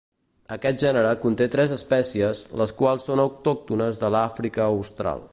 Aquest gènere conté tres espècies, les quals són autòctones de l'Àfrica Austral.